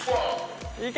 いけ！